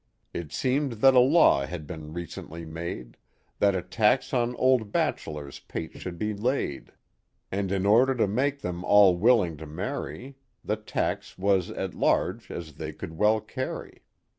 It seemed that a law had been recently made, That a tax on old bachelors* pates should be laid. And in order to make them all willing to marry The tax was as large as they could well carry.